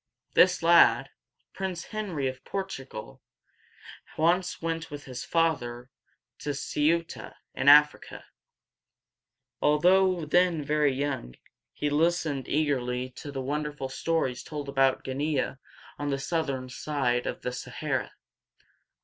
This lad, Prince Henry of Portugal, once went with his father to Ceu´ta in Africa. Although then very young, he listened eagerly to the wonderful stories told about Guin´ea, on the southern side of the Sa ha´ra.